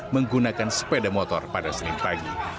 menggunakan sepeda motor pada senin pagi